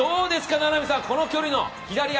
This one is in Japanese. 名波さん、この距離の左足。